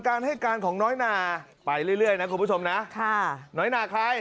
การให้การของน้อยนาไปเรื่อยนะคุณผู้ชมนะค่ะน้อยนาใคร